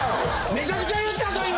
めちゃくちゃ言ったぞ今！